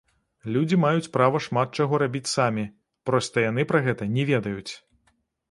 Людзі маюць права шмат чаго рабіць самі, проста яны пра гэта не ведаюць!